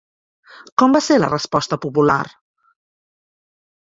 Com va ser la resposta popular?